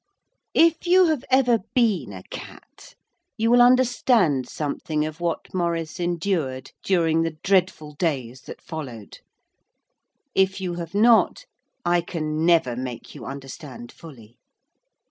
If you have ever been a cat you will understand something of what Maurice endured during the dreadful days that followed. If you have not, I can never make you understand fully.